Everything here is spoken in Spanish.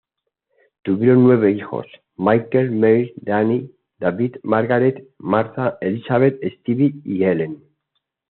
Tuvieron nueve hijos; Michael, Mary, Daniel, David, Margaret, Martha, Elizabeth, Steven, y Helen.